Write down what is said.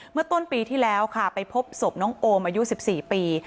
เมื่อต้นปีที่แล้วค่ะไปพบศพน้องโอมอายุ๑๔ปี